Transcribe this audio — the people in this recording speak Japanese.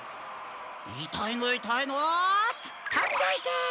いたいのいたいのとんでいけ！